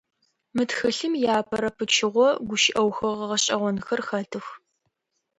Мы тхылъым иапэрэ пычыгъо гущыӏэухыгъэ гъэшӏэгъонхэр хэтых.